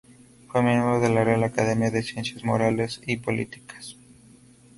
Fue miembro de la Real Academia de Ciencias Morales y Políticas.